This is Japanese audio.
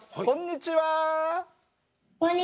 こんにちは。